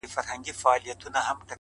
o نو گراني تاته وايم ـ